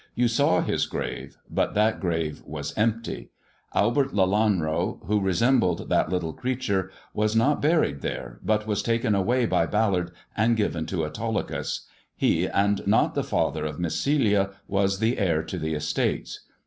" You saw his grave, but that grave was empty. Albert Lelanro, who resembled that little creature, was not buried there, but was taken away by Ballard and given to Auto lycus. He, and not the father of Miss Celia, was the heir to the estates.